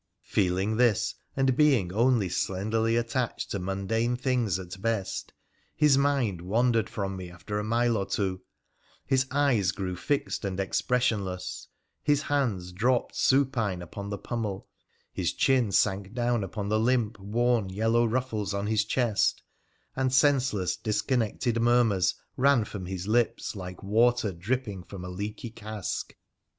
Feeling this, and being only slenderly attached to mundane things at best, his mind wandered from me after a mile or two — his eyes grew fixed and expressionless, his hands dropped supine upon the pummel, his chin sank down upon the limp, worn, yellow ruffles on his chest, and senseless, disconnected murmurs ran from his lips, like water dripping from a leaky cask.